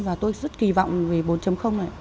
và tôi rất kỳ vọng về bốn này